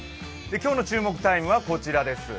今日の注目タイムはこちらです。